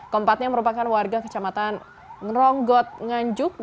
keempatnya merupakan warga kecamatan ngeronggot nganjuk